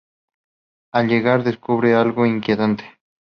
Al llegar, descubren algo inquietante.